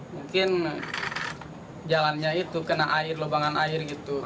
mungkin jalannya itu kena air lubangan air gitu